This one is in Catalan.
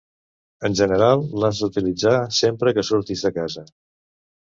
En general, l'has d'utilitzar sempre que surtis de casa.